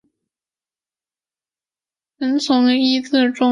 曾从尹自重学习粤曲。